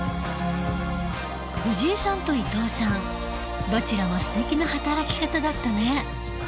藤井さんと伊藤さんどちらもすてきな働き方だったね。